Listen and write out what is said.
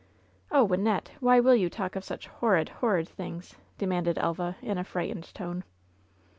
"Oh, Wynnette 1 why will you talk of such horrid, horrid things ?" demanded Elva, in a frightened tone.